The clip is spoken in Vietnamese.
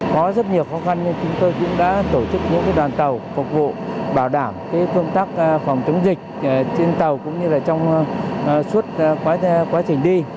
có rất nhiều khó khăn nhưng chúng tôi cũng đã tổ chức những đoàn tàu phục vụ bảo đảm công tác phòng chống dịch trên tàu cũng như là trong suốt quá trình đi